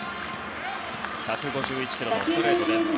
１５１キロ、ストレート。